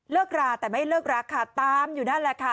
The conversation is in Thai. ราแต่ไม่เลิกรักค่ะตามอยู่นั่นแหละค่ะ